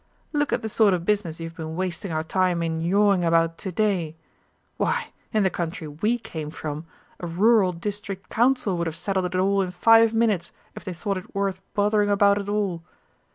Look at the sort of business you've been wasting our time in jawing about to day why, in the country We came from, a Rural District Council would have settled it all in five minutes if they thought it worth bothering about at all.